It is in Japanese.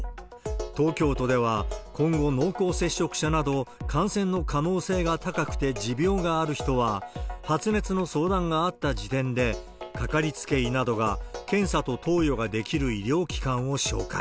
東京都では、今後、濃厚接触者など感染の可能性が高くて持病がある人は、発熱の相談があった時点で、掛かりつけ医などが検査と投与ができる医療機関を紹介。